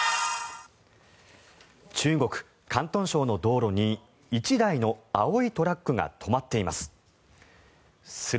中国・広東省の道路に１台の青いトラックが止まっています。